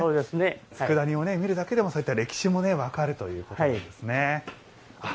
つくだ煮を見るだけでそういった歴史も分かるということですね。